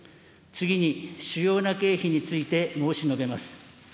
次に、主要な経費について申し述べます。